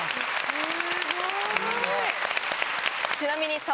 すごい。